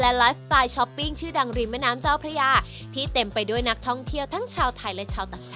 เอกลักษณ์และความไม่ธรรมดาของเขา